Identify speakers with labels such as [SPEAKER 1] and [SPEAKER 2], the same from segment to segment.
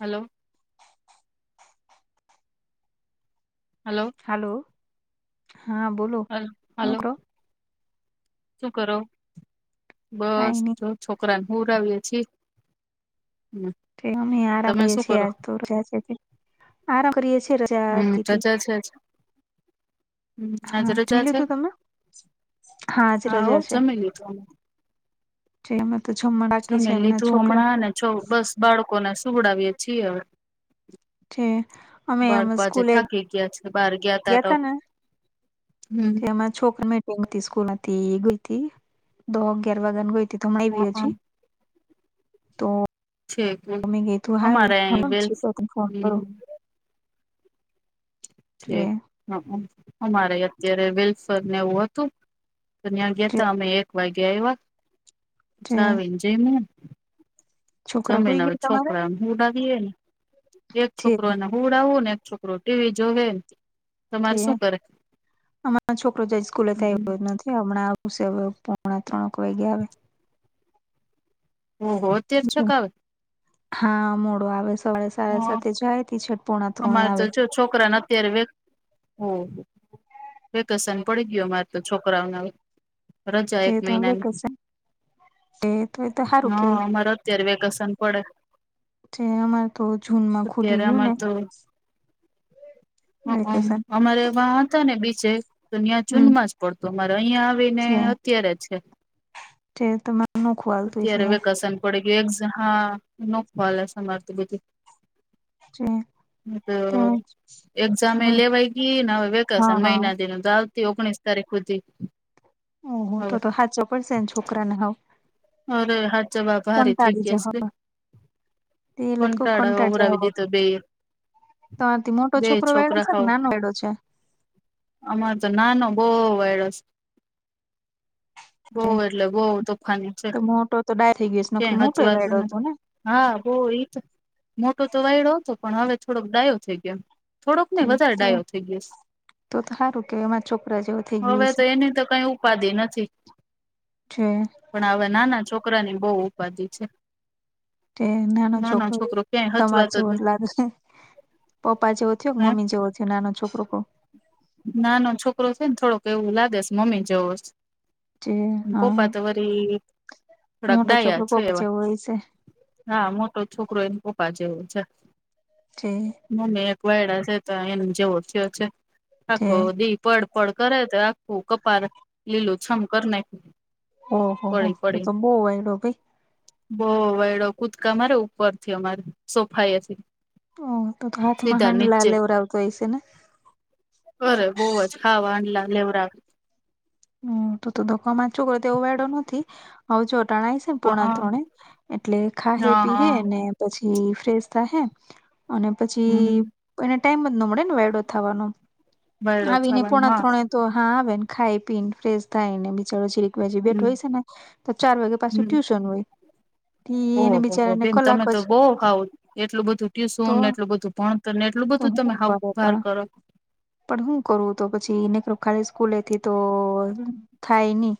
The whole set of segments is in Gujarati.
[SPEAKER 1] હલો. હલો.
[SPEAKER 2] હલો. હાં બોલો.
[SPEAKER 1] હલ્
[SPEAKER 2] હું
[SPEAKER 1] હલો
[SPEAKER 2] કરો
[SPEAKER 1] શું કરો? બસ
[SPEAKER 2] કઈ
[SPEAKER 1] જો. છોકરાને હુંવડાવીએ છીએ.
[SPEAKER 2] કંઈ ની આરા
[SPEAKER 1] તમે
[SPEAKER 2] પડ્યા
[SPEAKER 1] શું
[SPEAKER 2] છીએ
[SPEAKER 1] કરો
[SPEAKER 2] આજ તો રજા છે તે આરામ કરીએ છેએ રજા [unintelligible] થી
[SPEAKER 1] અચ
[SPEAKER 2] હા
[SPEAKER 1] રજા
[SPEAKER 2] મિલ્યું
[SPEAKER 1] છે
[SPEAKER 2] હતું તમે હા આજ
[SPEAKER 1] હો
[SPEAKER 2] રજા છે
[SPEAKER 1] જમી લીધું અમે.
[SPEAKER 2] છે તો છમડા
[SPEAKER 1] જમી લીધું હમણાં ને છો બસ બાળકોને સુગડાવીએ છીએવે
[SPEAKER 2] છે અમે
[SPEAKER 1] આજે
[SPEAKER 2] સ્કૂલે
[SPEAKER 1] થાકી છે બાર
[SPEAKER 2] ગયાતા ને
[SPEAKER 1] હમ
[SPEAKER 2] તેમાં છોકરી મે ગ સ્કૂલ હતી ગઈ હતી દો અગયાર વાગ્યાને ગઈ ત હમણાં બી હજી
[SPEAKER 1] છે
[SPEAKER 2] તોમે ગ તું હાલ
[SPEAKER 1] અમારે અહી વેલ્સ
[SPEAKER 2] ફોન કરો
[SPEAKER 1] હમ
[SPEAKER 2] જે
[SPEAKER 1] અમારે અત્યારે વેલ્ફરને એવું હતું ન્યા ગયા
[SPEAKER 2] જે
[SPEAKER 1] તો અમે એક વાગ્યા
[SPEAKER 2] જે
[SPEAKER 1] આવ્યાછાવન જમને
[SPEAKER 2] છોકરા હોઈ
[SPEAKER 1] જમીને હ
[SPEAKER 2] ગયા તમારા
[SPEAKER 1] છોકરા હુડાવએ ને એક
[SPEAKER 2] જે
[SPEAKER 1] છોકરોને હુંડાવું ને એક છોકરો ટીવી જોવે તમારે શું કરે?
[SPEAKER 2] હરા છોકરો જ સ્કૂલે આવ્યો નથી હમણાં હસે પોણા ત્રણક વાઈગ્યા આવે
[SPEAKER 1] હુ હોત
[SPEAKER 2] હા મોડો આવે સવારે સાડા
[SPEAKER 1] હા
[SPEAKER 2] સાતે જાય ત છઠી
[SPEAKER 1] અમારે તો જો છોકરાને અત્યારે વેકેશન પડી ગયું અ મારે તો છોકરાઓના રજા
[SPEAKER 2] જે
[SPEAKER 1] એક
[SPEAKER 2] તો
[SPEAKER 1] મહિનાની
[SPEAKER 2] વેકેશન એ તું તો સારું
[SPEAKER 1] હા
[SPEAKER 2] કેવાય
[SPEAKER 1] અમારે અત્યારે વેકેશન પડે
[SPEAKER 2] તે અમાર તો જૂનમાં ખુલી ગયું ને વેકેશન
[SPEAKER 1] અમારેવા હતા ને બીચે તોન્યાં
[SPEAKER 2] હમ
[SPEAKER 1] જુનમાં જ પડતો મારે અહં આવે અત્યારે છે
[SPEAKER 2] જે તમારે નોખું હાલતું હશે
[SPEAKER 1] અત્યારે વેકેશન પડે ગ હા [unintelligible] બધું
[SPEAKER 2] [inaudible]
[SPEAKER 1] તો
[SPEAKER 2] ત્યાં
[SPEAKER 1] એક્ઝામ એ લેવાય ગઈ ને હવે
[SPEAKER 2] હા
[SPEAKER 1] વેકેશન
[SPEAKER 2] હા
[SPEAKER 1] મહિનાથી ન તો ઓગણીસ તારીખ સુધી
[SPEAKER 2] ઓહ તો
[SPEAKER 1] હવે
[SPEAKER 2] તો હાચવ વો પણ છે ને છોકરાને હાવ
[SPEAKER 1] અરે હાચવા ભારી થઈ
[SPEAKER 2] કંટાળી
[SPEAKER 1] ગયા
[SPEAKER 2] જાય
[SPEAKER 1] છે
[SPEAKER 2] તે એ લોકો
[SPEAKER 1] કંટાળો આવી દીધો બે
[SPEAKER 2] તમાથી મોટો છોકરો વેડો છે ને નાનો વડો છે
[SPEAKER 1] અમા તો નાનો બો વાયડો છે બઉ એટલે બઉ તોફાની છે
[SPEAKER 2] તો મોટો તો ડાયરો થઈ ગયો છે નોખર
[SPEAKER 1] ક્યાંય
[SPEAKER 2] મોટો વાયડો
[SPEAKER 1] હચવાતું
[SPEAKER 2] હતો
[SPEAKER 1] નથી
[SPEAKER 2] ને
[SPEAKER 1] હા બહ એ તો મોટો તો વાયડો હતો પણ હવે થોડોક ડાયો થઈ ગયો થોડોક ને
[SPEAKER 2] તો
[SPEAKER 1] વધારે ડાયો થઈ ગયોસ
[SPEAKER 2] તો તો સારું કે એમાં છોકરા જેવો થઈ ગું
[SPEAKER 1] હવે
[SPEAKER 2] છે
[SPEAKER 1] તો એની તો કઈ ઉપાધિ નથી
[SPEAKER 2] છે
[SPEAKER 1] પણ આવા નાના છોકરાની બહ ઉપાધિ છે
[SPEAKER 2] એ નાનો છોકરો
[SPEAKER 1] ક્યાંય
[SPEAKER 2] તમાર
[SPEAKER 1] હચવાતો જ નઈ
[SPEAKER 2] [unintelligible] પપ્પા જેવો થયો કે
[SPEAKER 1] હે
[SPEAKER 2] મમ્મી જેવો થયો નાનો છોકરો
[SPEAKER 1] નાનો છોકરો છે ને થોડોક એવું લાગે છે મમ્મી જવો
[SPEAKER 2] જે હા
[SPEAKER 1] પપ્પા તો વરી થોડાક
[SPEAKER 2] મોટો
[SPEAKER 1] ડયા
[SPEAKER 2] છોકરો
[SPEAKER 1] છે
[SPEAKER 2] પપ્પા
[SPEAKER 1] એવા
[SPEAKER 2] જેવો હોય
[SPEAKER 1] હા મોટો છોકરો એને પપ્પા જેવો છે
[SPEAKER 2] જે
[SPEAKER 1] મમ્મી એક વયડા છે તો એને જેવો થયો છે
[SPEAKER 2] જે
[SPEAKER 1] આખો દી પડપડ કરે તો આખું કપાર લીલું છમ કર નાખીયું
[SPEAKER 2] ઓહ હો ત તો બોવાયડ ભાઈ.
[SPEAKER 1] બો વાયદો કુદકા મારે ઉપરથી અમારે સોફા એથી.
[SPEAKER 2] ઓ તો તો હાથમાં હાંડ લ લેવ આવતો હોય છે ને.
[SPEAKER 1] અ બહવ જ હાવા આલા લેવરા.
[SPEAKER 2] હમ્મ તો ધોકાામાં છોકરો તેવો વડો નથી આવ જો ટણાય.
[SPEAKER 1] હ હ
[SPEAKER 2] પોણા ત્રણે એટલે ખા
[SPEAKER 1] હ હ
[SPEAKER 2] પીએ ને પછી ફ્રેશ થ હે અને પછી
[SPEAKER 1] હમ
[SPEAKER 2] એને ટાઈમ જ ન મળે ને વડો થવાનો
[SPEAKER 1] વાયડો
[SPEAKER 2] આવીને
[SPEAKER 1] થવાનો
[SPEAKER 2] પોણા
[SPEAKER 1] હા
[SPEAKER 2] ત્રણે તો હા આવે ને ખાઈ પી ને ફ્રેશ થાય ને બિચારો પછી એક વા બેઠ
[SPEAKER 1] હમ
[SPEAKER 2] હોય છે ને તો ચાર વાગે પાછું ટ્યુશન હોય. ઈ
[SPEAKER 1] ઓહ
[SPEAKER 2] એને
[SPEAKER 1] હો
[SPEAKER 2] બિચારાને
[SPEAKER 1] બેન
[SPEAKER 2] કલાક
[SPEAKER 1] તમે તો
[SPEAKER 2] જ
[SPEAKER 1] બહુ ખાવ એટલું બધું
[SPEAKER 2] તો
[SPEAKER 1] ટ્યુશન ને એટલું બધું ભણતર ને એટલું
[SPEAKER 2] તો
[SPEAKER 1] બધું
[SPEAKER 2] હું
[SPEAKER 1] તમે
[SPEAKER 2] કરે
[SPEAKER 1] હાવભાર
[SPEAKER 2] પણ
[SPEAKER 1] કરો.
[SPEAKER 2] પણ હું કરું તો પછી ખાલી સ્કૂલે થી તો થાય નહી.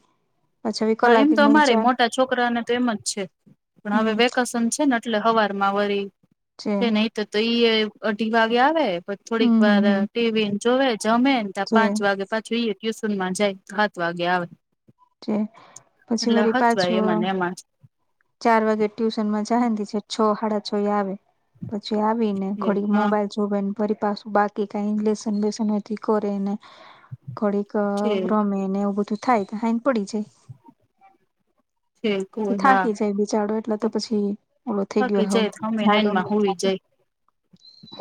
[SPEAKER 2] પછી હવે
[SPEAKER 1] હા
[SPEAKER 2] કલાક
[SPEAKER 1] એમ તો
[SPEAKER 2] એક
[SPEAKER 1] અમારે
[SPEAKER 2] મજા
[SPEAKER 1] મોટા છોકરાને તો એમ જ છે પણ હવે
[SPEAKER 2] હમ
[SPEAKER 1] વેકેશન છે ને એટલે હવાર માં વરી છે ને એ તો તો ઈ અઢી વાગે આવે પ થોડીક
[SPEAKER 2] હમ હમ
[SPEAKER 1] વાર
[SPEAKER 2] હમ
[SPEAKER 1] ટીવીને જોવે જમે ને્યા
[SPEAKER 2] છે
[SPEAKER 1] પાંચ વાગે પાછીઈ ટ્યુસન માં જાય સાત વાગે આવે.
[SPEAKER 2] પછી
[SPEAKER 1] એટલે
[SPEAKER 2] વરી
[SPEAKER 1] હચવાય
[SPEAKER 2] પાછું
[SPEAKER 1] એમાં ને એમાં
[SPEAKER 2] ચાર વાગે ટ્યુશન માં જી છે છ સાાડા છો આવે પછી આવી ને
[SPEAKER 1] જ
[SPEAKER 2] થોડીક
[SPEAKER 1] હા
[SPEAKER 2] મોબાઈલ જો બે ફરી પાછું બાકી કઈ લસન બેસન કરે ને થોડીક
[SPEAKER 1] છે
[SPEAKER 2] રમે ને એવું બધું થાય તો થાઈને પડી જાય.
[SPEAKER 1] બલકુલ હા
[SPEAKER 2] થાકી જાય બિચારો એટલે તો પછી ઓલો થઈ
[SPEAKER 1] થાકે
[SPEAKER 2] ગયો હ
[SPEAKER 1] જ અમે
[SPEAKER 2] જાડો ન
[SPEAKER 1] હનમાં હોવી
[SPEAKER 2] થતો
[SPEAKER 1] જાય.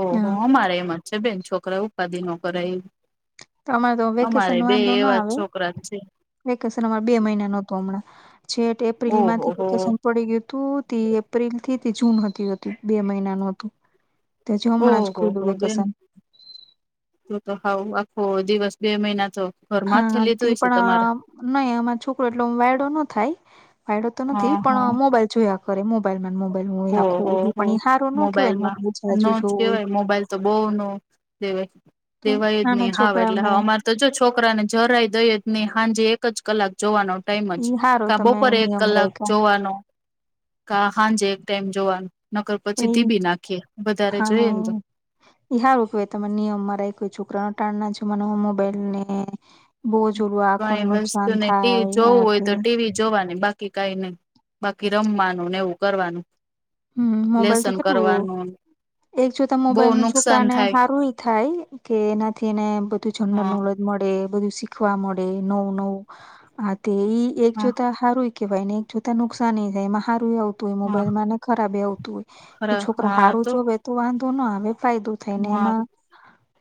[SPEAKER 1] ઓહો
[SPEAKER 2] હા
[SPEAKER 1] અમારે એમાં જ છે બેન છોકરા ઉપાધિ નો કર એ.
[SPEAKER 2] અમારે તો વેકેશન વાંધો ના આવે.
[SPEAKER 1] છોકરા છે
[SPEAKER 2] વેકેશન અમા બે મહિના ન હતું હમણાં છેઠ એપ્રિલ
[SPEAKER 1] ઓહો
[SPEAKER 2] માંથી
[SPEAKER 1] હો
[SPEAKER 2] વેકેશન પડી ગયું હતું તે એપ્રિલ થી જૂન હતી હતી બે મહિનાનું હતું. તે હજી હમણાં જ
[SPEAKER 1] ઓહો
[SPEAKER 2] ખુલ્લું
[SPEAKER 1] હો બેન
[SPEAKER 2] વેકેશન
[SPEAKER 1] તો તો હાવ આખો દિવસ બે મહિના તો ઘર માથે
[SPEAKER 2] હા તે
[SPEAKER 1] લીધું હશે
[SPEAKER 2] પણ
[SPEAKER 1] તમારા.
[SPEAKER 2] અ નહી આમાં છોકરો એટલો વાયડો ન થાય વાયડો તો નથી
[SPEAKER 1] હા હા
[SPEAKER 2] પણ મોબાઈલ જોયા મોબાઈલમાં મોબાઈલ હોય આખો
[SPEAKER 1] ઓહો હો
[SPEAKER 2] પણ હ સારો ન કહેવાય
[SPEAKER 1] મોબાઈલમાં
[SPEAKER 2] મોબાઈલ ચજુ
[SPEAKER 1] નો જ
[SPEAKER 2] જોય.
[SPEAKER 1] કેવાય મોબાઈલ તો બહ ન દેવા દેવાય જ
[SPEAKER 2] નાના
[SPEAKER 1] નહી હાવ એટલે
[SPEAKER 2] છોકરાઓને
[SPEAKER 1] અમાર ત જો છોકરા ને જરાઈ દહી ને હાજ એક જ કલાક જોવાનો ટાઈમ જ
[SPEAKER 2] ઈ હારો
[SPEAKER 1] કા
[SPEAKER 2] તમે
[SPEAKER 1] બોપર એક
[SPEAKER 2] નિયમ
[SPEAKER 1] કલાક
[SPEAKER 2] રાયખા
[SPEAKER 1] જોવાનો. કા સાાંજે એક ટાઈમ જોવાનું નકર
[SPEAKER 2] પણ
[SPEAKER 1] પછી
[SPEAKER 2] ઈ
[SPEAKER 1] ધીબી નાખીએ વધારે જોઈએ ને તો.
[SPEAKER 2] હારુ કેવાય તમે નિયમમાં રાયખુ છોકરા ન ટાણના છે મને મોબાઈલ ને બહુ જ ઓલું
[SPEAKER 1] કઈ
[SPEAKER 2] આંખોને
[SPEAKER 1] વસ્તુ
[SPEAKER 2] નુકસાન
[SPEAKER 1] ને ટીવી
[SPEAKER 2] થાય
[SPEAKER 1] જોવું
[SPEAKER 2] આ
[SPEAKER 1] હોય
[SPEAKER 2] તે
[SPEAKER 1] તો ટીવી જોવાની બાકી કે કઈ નહી બાકી રમવાનું ને એવું કરવાનું.
[SPEAKER 2] હમ્મ મોબાઈલ
[SPEAKER 1] લેસન
[SPEAKER 2] થી કેટલું
[SPEAKER 1] કરવાનું
[SPEAKER 2] એક જોતા
[SPEAKER 1] બહુ
[SPEAKER 2] મોબાઈલ નું
[SPEAKER 1] નુકસાન
[SPEAKER 2] છોકરાને
[SPEAKER 1] થાય.
[SPEAKER 2] હારું ની થાય. કે એનાથી એને બધું જનરલ
[SPEAKER 1] હા
[SPEAKER 2] નોલેજ મળે બધું શીખવા મળે નવ નવ આ તે ઈ એક
[SPEAKER 1] હા
[SPEAKER 2] જોતા સારું કેહેવાય ને એક જોતા નુકસાન જાય એમાં સારું આવું હોય
[SPEAKER 1] હા
[SPEAKER 2] મોબાઈલમાં ને ખરાબ આવતું હોય.
[SPEAKER 1] ખરા
[SPEAKER 2] છોકરા
[SPEAKER 1] હા
[SPEAKER 2] સારું જોવે તો વાંધો ના આવે ફાયદો થઈને
[SPEAKER 1] હા
[SPEAKER 2] એમાં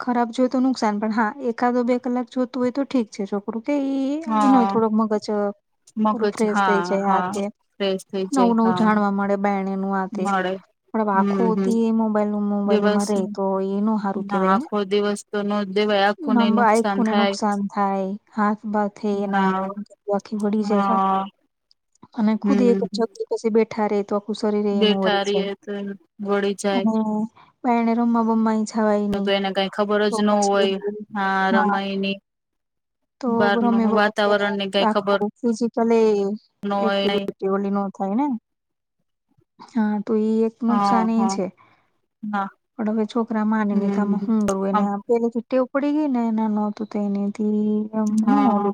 [SPEAKER 2] ખરાબ જોય તો નુકસાન પણ હા એકાદો બે કલાક જોતું હોય તો ઠીક છે છોકરું કે ઈ નોઇ
[SPEAKER 1] હા
[SPEAKER 2] થોડ મગજ પૂરું
[SPEAKER 1] મગજ
[SPEAKER 2] ફ્રેશ થઈ
[SPEAKER 1] હા
[SPEAKER 2] જાય આ
[SPEAKER 1] હા
[SPEAKER 2] તે
[SPEAKER 1] ફ્રેશ થઈ
[SPEAKER 2] નવું
[SPEAKER 1] જાય
[SPEAKER 2] નવું
[SPEAKER 1] હા
[SPEAKER 2] જાણવા મળે બહેને નું આથે.
[SPEAKER 1] મળે
[SPEAKER 2] બ
[SPEAKER 1] હમ હમ
[SPEAKER 2] આખોધી એ મોબાઈલ મોબાઈલમાં
[SPEAKER 1] દિવસ
[SPEAKER 2] ર રહે તો એનું સારું
[SPEAKER 1] ના
[SPEAKER 2] કેવાય.
[SPEAKER 1] આખો દિવસ તો ન દેવાય આખું ને
[SPEAKER 2] મબ આઈ
[SPEAKER 1] નુકસાન
[SPEAKER 2] ખુને
[SPEAKER 1] થાય
[SPEAKER 2] નુકસાન થાય હાથ ભથે એ ના.
[SPEAKER 1] હા
[SPEAKER 2] ખી વળી જાય
[SPEAKER 1] હા
[SPEAKER 2] અને ખુદ એક
[SPEAKER 1] હમ
[SPEAKER 2] છકરી પા બેઠા રે તો સરી ર એનું હો
[SPEAKER 1] બેઠા રએ
[SPEAKER 2] છે અને
[SPEAKER 1] તો વળી જાય
[SPEAKER 2] બને રમમાં બમમા
[SPEAKER 1] હ તો એને કઈ ખબર જ ન હોય હા રમાઈની
[SPEAKER 2] તો બમે બ આખું ફિઝિકલી
[SPEAKER 1] ન
[SPEAKER 2] એકટીવ
[SPEAKER 1] હોય
[SPEAKER 2] લી નો થાય ને હા તો ઈ એક
[SPEAKER 1] હા
[SPEAKER 2] નુકસાન એ
[SPEAKER 1] હા
[SPEAKER 2] છે
[SPEAKER 1] હા
[SPEAKER 2] પણ હવે છોકરા માની તામાં હુ
[SPEAKER 1] હમ
[SPEAKER 2] કરુંવુ
[SPEAKER 1] હા
[SPEAKER 2] આમ પેલી ચુઠ્ટી ઉપડી ગઈ ને એ નહોતું તો એની થી
[SPEAKER 1] હા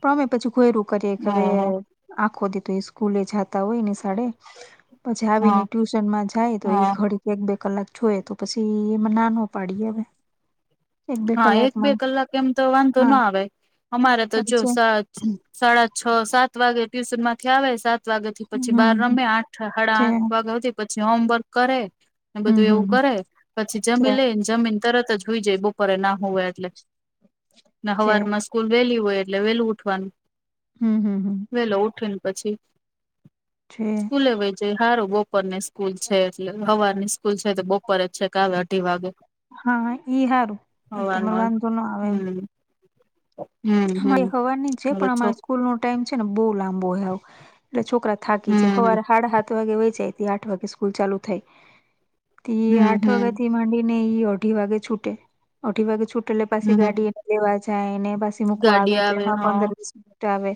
[SPEAKER 2] પણ અમે પછી ઘોયરું કરીએ કે હવે
[SPEAKER 1] ઓહ
[SPEAKER 2] આખો દીધું સ્કૂલે જતા હોય નીશાડે પછી આવી
[SPEAKER 1] હા
[SPEAKER 2] ને ટ્યુશન માં જાય તો એ
[SPEAKER 1] હા
[SPEAKER 2] ઘડી એક બે કલાક જોય તો પછી એમાં ના નો પાડી હવે એક બે કલાકમાં
[SPEAKER 1] કેમ તો વાંધો
[SPEAKER 2] હા
[SPEAKER 1] ના આવે અમારે તો જો
[SPEAKER 2] પણ છે
[SPEAKER 1] સા સાડા છ સાત વાગે ટ્યુશન માંથી આવે સાત સાત વાગ્યા થી પછી બાર
[SPEAKER 2] હમ
[SPEAKER 1] રમે આઠ સાડા
[SPEAKER 2] છે
[SPEAKER 1] આઠ વાગ્યા હતી પછી હોમવર્ક કરે
[SPEAKER 2] હમ
[SPEAKER 1] બધું
[SPEAKER 2] હમ
[SPEAKER 1] એવું કરે પછી જમી
[SPEAKER 2] છે
[SPEAKER 1] લેને જમીને તરત જ જોઈ જાય બ બપોરે ના હોય એટલે
[SPEAKER 2] છે
[SPEAKER 1] હવાર માં સ્કૂલ વેલી હોય એટલે વેલું ઉઠવાનું
[SPEAKER 2] હમ હમ હમ
[SPEAKER 1] વેલો ઉઠીને પછી
[SPEAKER 2] છે
[SPEAKER 1] સ્કૂલે વ જે સારું બપોર ની સ્કૂલ છે એટલે હવાર ની સ્કૂલ છે તે બપોરે જ છે કે આવે અઢી વાગે
[SPEAKER 2] હા ઈ સારું પણ તને
[SPEAKER 1] હવારનું
[SPEAKER 2] વાંધો ન આવે એમ
[SPEAKER 1] હમ હમ હમ
[SPEAKER 2] અમારી હવાની છે
[SPEAKER 1] હવે
[SPEAKER 2] પણ
[SPEAKER 1] છો
[SPEAKER 2] અમારા સ્કૂલ નો ટાઈમ છે ને બહુ લાંબો હોય આવ એટલે છોકરા થાકી જ
[SPEAKER 1] હમ
[SPEAKER 2] સવારે સાડા સાત વાગે વેંચાય આઠ વાગે સ્કૂલ ચાલુ થાય તે
[SPEAKER 1] હમ
[SPEAKER 2] આઠ વાગ્યા
[SPEAKER 1] હમ
[SPEAKER 2] થી માંડી ને અઢી વાગે છૂટે અઢી વાગે છૂટેટલે પાછી
[SPEAKER 1] હમ
[SPEAKER 2] ગાડીને લેવા જાય એને આવે
[SPEAKER 1] ગાડી
[SPEAKER 2] તો એમાં
[SPEAKER 1] હા
[SPEAKER 2] પણ સ મિનિટ આવે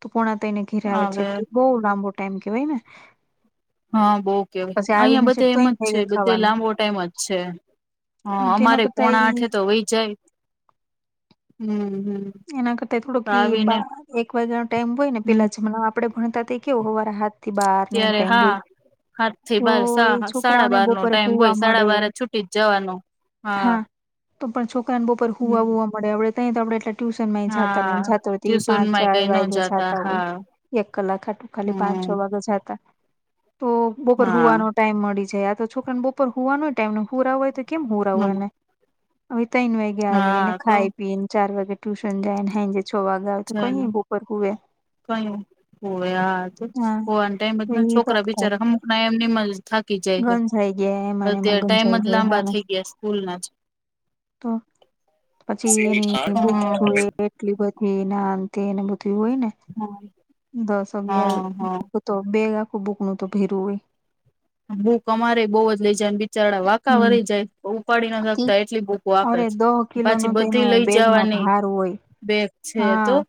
[SPEAKER 2] તો પોણા તિને ઘેર આવે છે એટ બહ લાંબો ટાઈમ કેહેવાય ને
[SPEAKER 1] હા બહ કેવાય
[SPEAKER 2] પછી
[SPEAKER 1] અહિયાં
[SPEAKER 2] આવીને
[SPEAKER 1] બધે
[SPEAKER 2] સેઠ
[SPEAKER 1] એમ
[SPEAKER 2] તોઈન
[SPEAKER 1] જ છે
[SPEAKER 2] વાગે
[SPEAKER 1] બધે
[SPEAKER 2] ખાવાનું
[SPEAKER 1] લાંબો ટાઈમ જ છે હા
[SPEAKER 2] તો એના
[SPEAKER 1] અમારે
[SPEAKER 2] કરતા
[SPEAKER 1] પોણા
[SPEAKER 2] ઈ
[SPEAKER 1] આઠે તો વહી જાય હમ્મ હમ્મ
[SPEAKER 2] એના કરતા થોડોક એક વાજ્યાનો ટાઈમ હોય ને
[SPEAKER 1] હમ
[SPEAKER 2] પેલા મ આપણેે ભણતા તે કેવ હવારે હાથથી બહાર ને એમ
[SPEAKER 1] ત્યારે હા
[SPEAKER 2] ટાઈમય
[SPEAKER 1] હાથ થી બાર સા સાડા બાર નો
[SPEAKER 2] બપોરે
[SPEAKER 1] ટાઈમ
[SPEAKER 2] હુવા
[SPEAKER 1] હોય સાડા
[SPEAKER 2] મળે
[SPEAKER 1] બાર છુટી જ જવાનો હા
[SPEAKER 2] તો પણ છોકરા અનો પર હુવાવુવા મળે આપણે તં તો આપણે એટ ટ્યુશન માં જતા ન
[SPEAKER 1] હા
[SPEAKER 2] જતા હોય તો એ
[SPEAKER 1] ટ્યુશન
[SPEAKER 2] પાંચ ચ
[SPEAKER 1] માં કઈ ન
[SPEAKER 2] વાગ્યા જતા હોય
[SPEAKER 1] હા
[SPEAKER 2] એક કલાક આટું ખાલી પાંચ છ
[SPEAKER 1] હમ
[SPEAKER 2] વાગે જતા તો બપોર હુવાનો
[SPEAKER 1] હા
[SPEAKER 2] ટાઈમ મળી જાય આ તો છોકરાને બપોર હોુવાનોય ટાઈમ હુરા હોય તો કેમ હું રહું એને હવે ત્રન વાગ્યા આવેને
[SPEAKER 1] હા તો
[SPEAKER 2] ખાઈ પીને ચાર વાગે ટ્યુશન જાય નેૈજ છ વાગ્યા તો કઈ ઉપપર હવે
[SPEAKER 1] કય હોય જ
[SPEAKER 2] હા
[SPEAKER 1] હો ટાઈમ
[SPEAKER 2] તો
[SPEAKER 1] બધા
[SPEAKER 2] એ તો
[SPEAKER 1] છોકરા
[SPEAKER 2] થાય
[SPEAKER 1] બિચારા અમુક ના એમની મ થાકી જાય છે
[SPEAKER 2] ગંજાઈ ગયા એમાંને એમાં
[SPEAKER 1] અત્યારે ટાઈમ
[SPEAKER 2] ગંજાઈ
[SPEAKER 1] જ
[SPEAKER 2] ગયા
[SPEAKER 1] લાંબા
[SPEAKER 2] હા
[SPEAKER 1] થઈ ગયા સ્કૂલના જ
[SPEAKER 2] તો પછી
[SPEAKER 1] સ્ટે બીટ
[SPEAKER 2] એની બુક
[SPEAKER 1] હાર્ટ
[SPEAKER 2] જોઈએ એટલી બધી નાને બધી હોય ને દસ
[SPEAKER 1] હા હા
[SPEAKER 2] અગિયાર તો બેગ આખું બૂક નું તો ભેરવું હોય
[SPEAKER 1] ભૂક અમારે બહવ જ લઇ જાય બિચારડા વાકા
[SPEAKER 2] હોય
[SPEAKER 1] વરી જાય ઉપાડી ના શકતા એટલી ભૂક વાપે છે
[SPEAKER 2] સ કિલો
[SPEAKER 1] પાછી
[SPEAKER 2] નો
[SPEAKER 1] બધી
[SPEAKER 2] તોનો
[SPEAKER 1] લઈ
[SPEAKER 2] બેગમાં
[SPEAKER 1] જવાની
[SPEAKER 2] ભાર હોય
[SPEAKER 1] બેગ છે તો
[SPEAKER 2] હા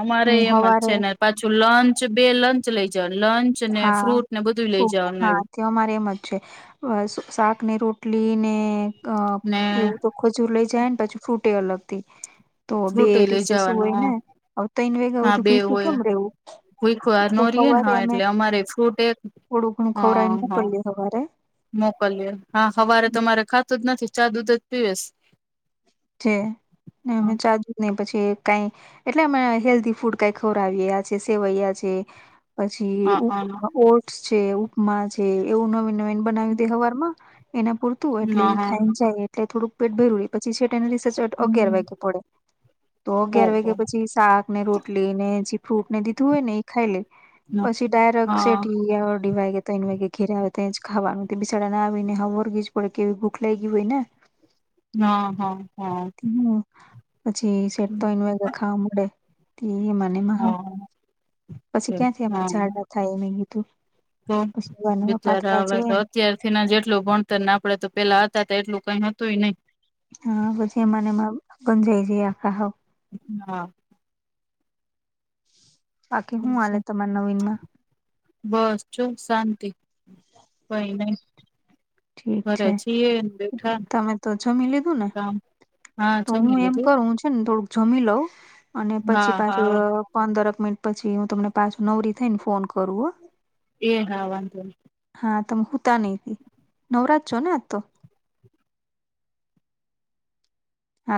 [SPEAKER 1] અમારે
[SPEAKER 2] હું
[SPEAKER 1] એમ જ
[SPEAKER 2] હવારે
[SPEAKER 1] છે ને પાછું લંચ બે લંચ લઈ જવાનું લંચ ને
[SPEAKER 2] હા
[SPEAKER 1] ફ્રૂટ ને બધું લઈ જવાનું
[SPEAKER 2] હા
[SPEAKER 1] એવું
[SPEAKER 2] તે અમારે એમ જ છે. શાક ને રોટલી ને અ
[SPEAKER 1] ને
[SPEAKER 2] એવું તો ખજૂર લઇ જાયને પછી ફ્રુટે અલગથી તો બે
[SPEAKER 1] ફ્રૂટ લઈ
[SPEAKER 2] રીસેસુ હોય
[SPEAKER 1] જવાનું
[SPEAKER 2] ને હવ તય્ન વાગ્યા હુધી ભૂયખું કેમ રેવું?
[SPEAKER 1] કોઈકવાર
[SPEAKER 2] તો
[SPEAKER 1] નો રીએેને હા એટલે અમારેય ફ્રૂટ એક
[SPEAKER 2] થોડુંઘણું
[SPEAKER 1] હ
[SPEAKER 2] ખવરાઈને
[SPEAKER 1] હા
[SPEAKER 2] મોકલીએ હવારે
[SPEAKER 1] મોકલીએ હા હવારે તો અમારે ખાતો જ નથી ચા દૂધ જ પીવેસ.
[SPEAKER 2] જે ના
[SPEAKER 1] હ
[SPEAKER 2] અમે ચા-દુધ. નય પછી કાઈ એટલે અમે હેલ્ધી ફૂડ કાઈ ખવરાવીએ આ છે સેવૈયા છે. પછી ઓટ્સ છે, ઉપમા છે એવું નવીન નવીન બનાવી દય હવારમાં. એના પૂરતું એટલે એ ખાઈને જાય એટલે થોડુંક પેટ ભરીલેય પછી છેટ એને. રીસેટ અગિયાર વાયગે પડે તો
[SPEAKER 1] હ
[SPEAKER 2] અગયાર
[SPEAKER 1] હ હ
[SPEAKER 2] વાયગે પછી સાક ને રોટલી ને ફ્રૂટને જી દીધું હોય ને ઈ. ખાઈ લેય
[SPEAKER 1] ઓહ
[SPEAKER 2] પછી ડાયરેક
[SPEAKER 1] હા
[SPEAKER 2] શેટ ઈ અઢી વાયગે. તય્ન વાગે ઘેરે આવે તયેજ ખાવાનું. બિસાડાને આવી ને હાવ વરગી જ પડે કેવી ભૂખ લાયગી હોય ને.
[SPEAKER 1] હા હા હા.
[SPEAKER 2] હમ્મ પછી સેટ તય્ન વાયગે ખાવા મળે. તી એમજ.
[SPEAKER 1] હા.
[SPEAKER 2] પછી
[SPEAKER 1] છે.
[SPEAKER 2] ક્યાંથી આમાં
[SPEAKER 1] હા
[SPEAKER 2] ઝાડા થાય એમ ‌મે કીધું.
[SPEAKER 1] તો
[SPEAKER 2] પછી એવા નવા
[SPEAKER 1] બચારા
[SPEAKER 2] પાતળા જ
[SPEAKER 1] આવે
[SPEAKER 2] રેય
[SPEAKER 1] તો
[SPEAKER 2] ને
[SPEAKER 1] અત્યાર. થીન જ એટલું ભણતરને આપડે તો પેલા હતા ત્યારે એટલું કઈ હતુંય ન‌ઈ.
[SPEAKER 2] હા પછ એમાન એમાં ગંજાઈ જીએ આપણે હો.
[SPEAKER 1] હા.
[SPEAKER 2] બાકી હું હાલે તમાર નવીનમાં
[SPEAKER 1] [inaudible] બસ જો શાંતિ. કંઈ ન‌ઈ.
[SPEAKER 2] ઠીક છે.
[SPEAKER 1] બેઠા ને
[SPEAKER 2] તમે તો જમી લીધું ને?
[SPEAKER 1] કામ હા
[SPEAKER 2] તો
[SPEAKER 1] જમી
[SPEAKER 2] હું એમ
[SPEAKER 1] લીધું
[SPEAKER 2] કવ હું છે ને થોડુંક જમી લઉં અને પછી
[SPEAKER 1] હા
[SPEAKER 2] પાછું
[SPEAKER 1] હા
[SPEAKER 2] અ. પંદરક મિનિટ પછી હું તમને પાછું નવરી થઈને ફોન કરું હો.
[SPEAKER 1] એ હા વાંધો નય.
[SPEAKER 2] હા તમે હુંતા નય નવરા જ છો ને આત તો. હા